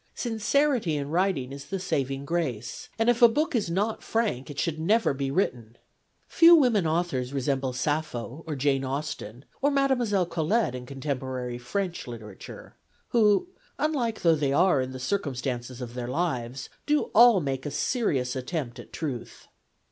Sincerity in writing is the saving grace, and if a book is not frank, it should never be written. Few women authors resemble Sappho, or Jane Austen, or Mme. Colette in contemporary French literature, who, unlike though they are in the circumstances of their lives, do all make a serious attempt at truth.